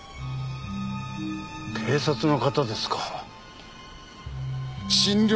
警察の方ですか。